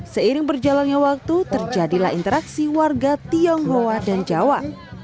seiring berjalannya waktu terjadilah interaksi warga tionghoa dan jawa